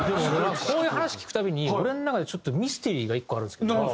こういう話聞くたびに俺の中でちょっとミステリーが１個あるんですけど。